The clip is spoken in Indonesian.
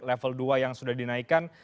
level dua yang sudah dinaikkan